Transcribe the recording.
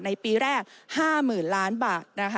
ปีแรก๕๐๐๐ล้านบาท